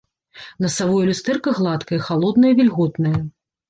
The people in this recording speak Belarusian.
Насавое люстэрка гладкае, халоднае, вільготнае.